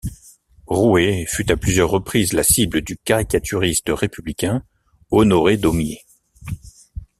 Rouher fut à plusieurs reprises la cible du caricaturiste républicain Honoré Daumier.